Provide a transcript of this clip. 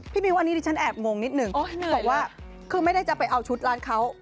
มิวอันนี้ดิฉันแอบงงนิดนึงบอกว่าคือไม่ได้จะไปเอาชุดร้านเขา